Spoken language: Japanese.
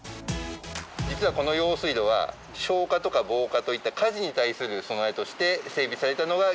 実はこの用水路は消火とか防火といった火事に対する備えとして整備されたのが始まりなんです。